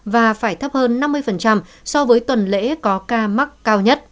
và phải thấp hơn năm mươi so với tuần lễ có ca mắc cao nhất